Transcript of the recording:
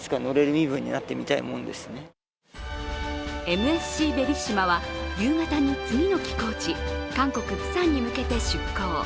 「ＭＳＣベリッシマ」は夕方に次の寄港地、韓国・釜山に向けて出港。